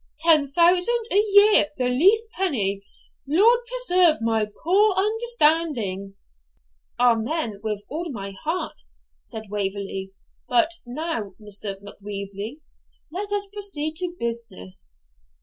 ten thousand a year the least penny! Lord preserve my poor understanding!' 'Amen with all my heart,' said Waverley; 'but now, Mr. Macwheeble, let us proceed to business.'